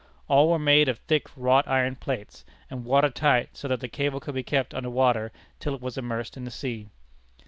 All were made of thick wrought iron plates, and water tight, so that the cable could be kept under water till it was immersed in the sea.